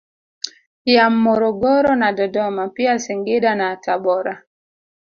Ya Morogoro na Dodoma pia Singida na Tabora